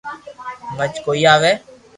ھمج ڪوئي آوي